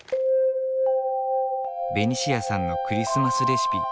ベニシアさんのクリスマスレシピ。